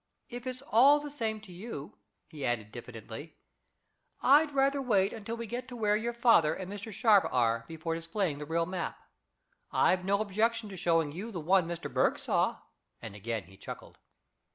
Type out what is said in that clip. If it's all the same to you," he added diffidently, "I'd rather wait until we get to where your father and Mr. Sharp are before displaying the real map. I've no objection to showing you the one Mr. Berg saw," and again he chuckled.